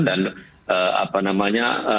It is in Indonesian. dan apa namanya